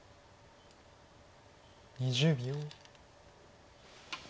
２０秒。